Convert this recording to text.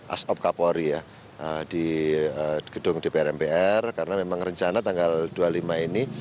asap kapolri ya di gedung dpr mpr karena memang rencana tanggal dua puluh lima ini